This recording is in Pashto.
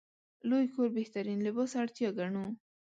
لوی کور بهترین لباس اړتیا ګڼو.